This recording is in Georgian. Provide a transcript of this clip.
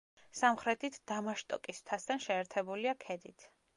სამხრეთით, დამაშტოკის მთასთან შეერთებულია ქედით.